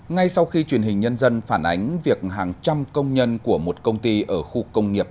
ngay sau khi truyền hình nhân dân phản ánh việc hàng trăm công nhân của một công ty ở khu công nghiệp